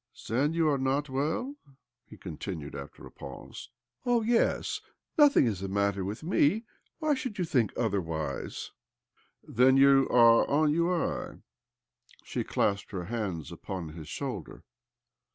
"Then you are not well?" he continued after a pause. 252 OBLOMOV 253 " Oh yes ; nothiag is the matter with me. Why should you think otherwise ?" "Then you are ennjiyeel " She clasped her hands upon his shoulder.